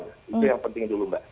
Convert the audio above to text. itu yang penting dulu mbak